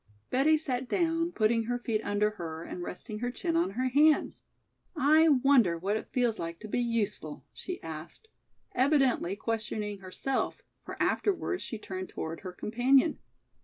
Betty sat down, putting her feet under her and resting her chin on her hands. "I wonder what it feels like to be useful?" she asked, evidently questioning herself, for afterwards she turned toward her companion.